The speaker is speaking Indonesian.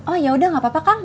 oh yaudah gak apa apa kang